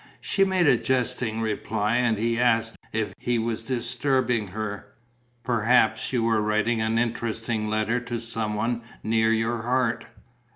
She made a jesting reply; and he asked if he was disturbing her: "Perhaps you were writing an interesting letter to some one near your heart?"